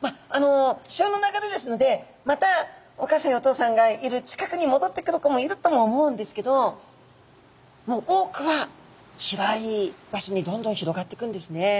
まっあの潮の流れですのでまたお母さんやお父さんがいる近くにもどってくる子もいるとも思うんですけどもう多くは広い場所にどんどん広がってくんですね。